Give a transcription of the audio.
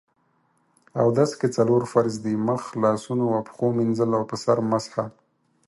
اودس کې څلور فرض دي: مخ، لاسونو او پښو مينځل او په سر مسح